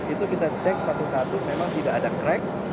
itu kita cek satu satu memang tidak ada crack